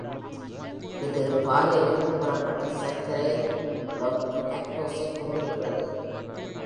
இது பாலில் இருந்து பெறப்பட்ட சர்க்கரை லாக்டோஸைக் கொண்டிருக்கின்றது.